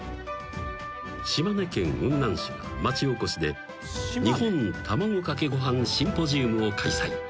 ［島根県雲南市が町おこしで日本たまごかけごはんシンポジウムを開催］